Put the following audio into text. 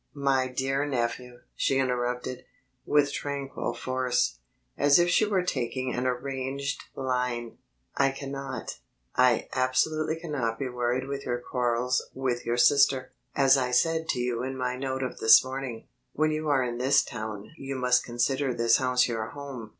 "My dear nephew," she interrupted, with tranquil force, as if she were taking an arranged line, "I cannot I absolutely cannot be worried with your quarrels with your sister. As I said to you in my note of this morning, when you are in this town you must consider this house your home.